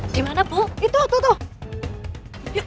dimana itu tuh ya udah yuk